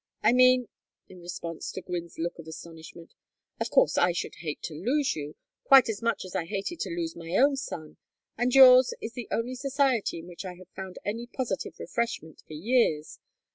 I mean " in response to Gwynne's look of astonishment, "of course I should hate to lose you quite as much as I hated to lose my own son, and yours is the only society in which I have found any positive refreshment for years.